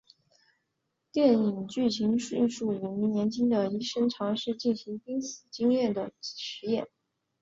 电影剧情叙述五名年轻的医学生尝试进行濒死经验的实验。